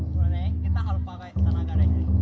jadi kita harus pakai tenaga